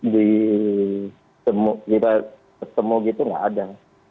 ditemu gitu tidak ada